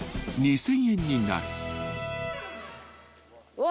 うわ。